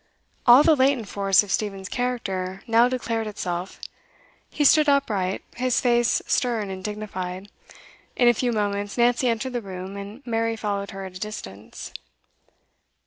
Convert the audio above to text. All the latent force of Stephen's character now declared itself. He stood upright, his face stern and dignified. In a few moments, Nancy entered the room, and Mary followed her at a distance.